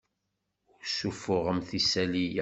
Ur ssuffuɣemt isali-a.